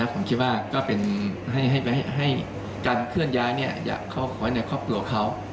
ผมคิดว่าก็เป็นให้การเคลื่อนย้ายเนี่ยอย่าเข้าขอให้ในครอบครัวเขา